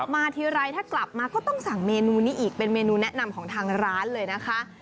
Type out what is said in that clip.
ทีไรถ้ากลับมาก็ต้องสั่งเมนูนี้อีกเป็นเมนูแนะนำของทางร้านเลยนะคะ